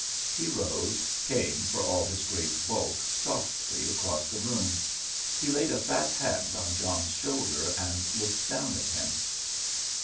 He rose, came, for all his great bulk, softly across the room. He laid a fat hand on John's shoulder and looked down at him.